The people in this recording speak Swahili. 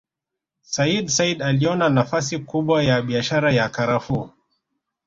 Sayyid Said aliona nafasi kubwa ya biashara ya Karafuu